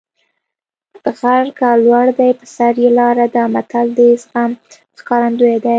غر که لوړ دی په سر یې لاره ده متل د زغم ښکارندوی دی